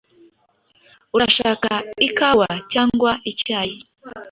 Urashaka ikawa cyangwa icyayi?